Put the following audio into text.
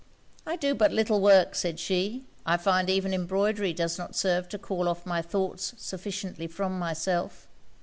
'I do but little work,' said she. 'I find even embroidery does not serve to call off my thoughts sufficiently from myself.